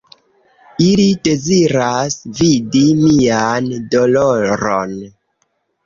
"Ili deziras vidi mian doloron."